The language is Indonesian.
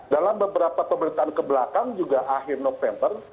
dalam beberapa pemerintahan kebelakang juga akhir november